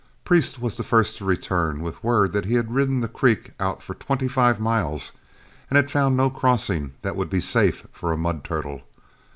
Priest was the first to return, with word that he had ridden the creek out for twenty five miles and had found no crossing that would be safe for a mud turtle.